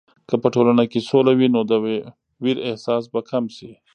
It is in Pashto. که په ټولنه کې سوله وي، نو د ویر احساس به کم شي.